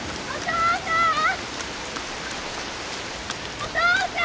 お父さん！